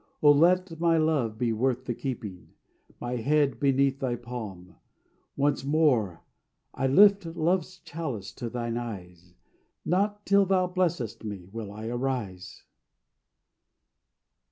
Oh, let my love be worth The keeping. My head beneath thy palm, Once more I lift Love's chalice to thine eyes: Not till thou blessest me will I arise.